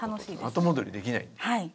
後戻りできない。